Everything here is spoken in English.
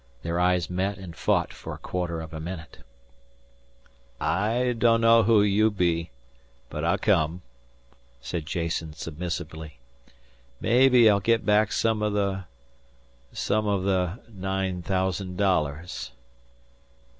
Their eyes met and fought for a quarter of a minute. "I dunno who you be, but I'll come," said Jason submissively. "Mebbe I'll get back some o' the some o' the nine thousand dollars."